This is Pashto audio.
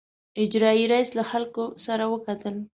اجرائیه رییس له خلکو سره وکتل.